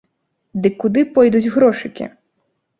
Дык куды пойдуць грошыкі?